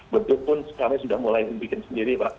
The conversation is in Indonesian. bentuk pun kami sudah mulai membuat sendiri pak